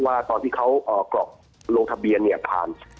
ว่าตอนที่เขากรอกลงทะเบียนเนี่ยผ่าน